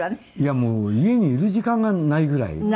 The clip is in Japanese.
「もう家にいる時間がないぐらいでしたから」